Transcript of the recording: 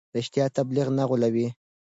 رښتیا تبلیغ نه غولوي.